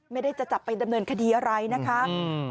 ไม่ได้จะจับไปดำเนินคดีอะไรนะคะ